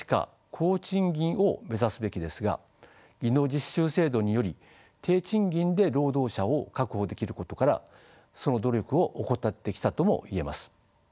高賃金を目指すべきですが技能実習制度により低賃金で労働者を確保できることからその努力を怠ってきたとも言えます。